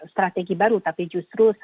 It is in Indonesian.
strategi baru tapi justru